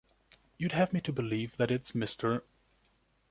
You’d have me believe that it’s Mr....